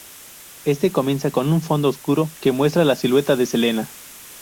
Este comienza con un fondo oscuro que muestra la silueta de Selena.